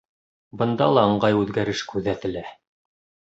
Бында ла ыңғай үҙгәреш күҙәтелә.